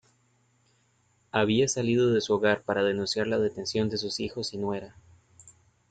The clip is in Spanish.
Había salido de su hogar para denunciar la detención de sus hijos y nuera.